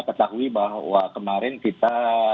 ketahui bahwa kemarin kita